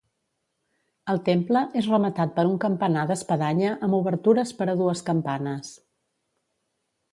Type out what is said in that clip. El temple és rematat per un campanar d'espadanya amb obertures per a dues campanes.